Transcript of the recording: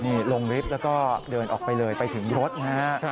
นี่ลงลิฟต์แล้วก็เดินออกไปเลยไปถึงรถนะฮะ